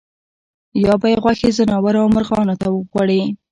یا به یې غوښې ځناورو او مرغانو وخوړې.